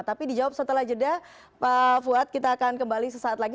tapi dijawab setelah jeda pak fuad kita akan kembali sesaat lagi